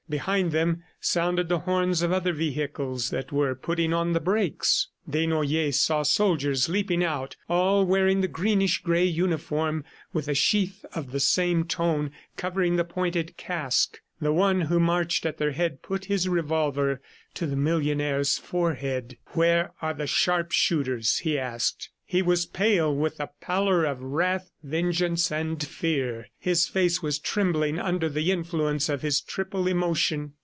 Behind them sounded the horns of other vehicles that were putting on the brakes. Desnoyers saw soldiers leaping out, all wearing the greenish gray uniform with a sheath of the same tone covering the pointed casque. The one who marched at their head put his revolver to the millionaire's forehead. "Where are the sharpshooters?" he asked. He was pale with the pallor of wrath, vengeance and fear. His face was trembling under the influence of his triple emotion.